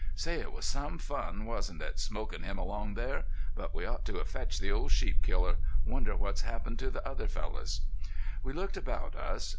"Say, it was some fun, wasn't it smokin' him along there? But we ought to have fetched the old sheep killer.... Wonder what's happened to the other fellows." We looked about us.